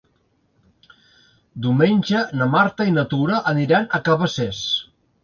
Diumenge na Marta i na Tura aniran a Cabacés.